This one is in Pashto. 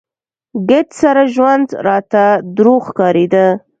ګرد سره ژوند راته دروغ ښکارېده.